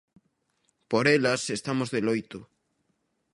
Por elas estamos de loito.